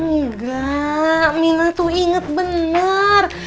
engga mina tuh inget bener